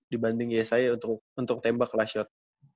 dibanding gaya saya untuk tembak last shot